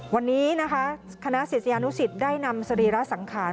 วันนี้นะคะคณะศิษยานุสิตได้นำสรีระสังขาร